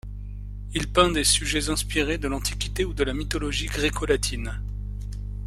Il peint des sujets inspirés de l'antiquité ou de la mythologie gréco-latine.